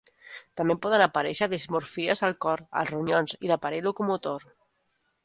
També poden aparèixer dismòrfies al cor, els ronyons i l'aparell locomotor.